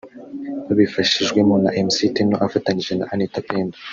babifashijwemo na Mc Tino afatanyije na Anita Pendo